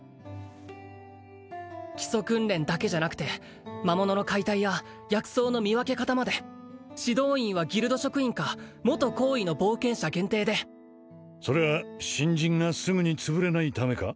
基礎訓練だけじゃなくて魔物の解体や薬草の見分け方まで指導員はギルド職員か元高位の冒険者限定でそれは新人がすぐに潰れないためか？